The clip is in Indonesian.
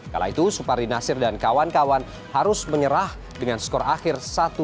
kala itu supardi nasir dan kawan kawan harus menyerah dengan skor akhir satu